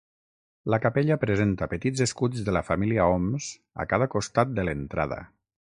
La capella presenta petits escuts de la família Oms a cada costat de l'entrada.